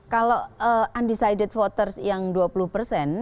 kalau undecided voters yang dua puluh persen